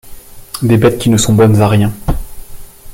Des bêtes qui ne sont bonnes à rien